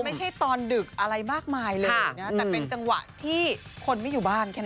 ไม่ใช่ตอนดึกอะไรมากมายเลยนะแต่เป็นจังหวะที่คนไม่อยู่บ้านแค่นั้น